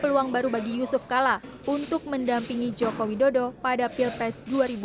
untuk mendampingi joko widodo pada pilpres dua ribu sembilan belas